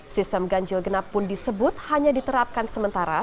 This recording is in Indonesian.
sistem ganjil genap pun disebut hanya diterapkan sementara